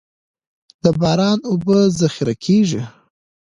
د باران اوبه ذخیره کیږي